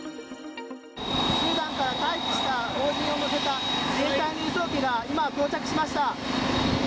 スーダンから退避した邦人を乗せた自衛隊の輸送機が今、到着しました。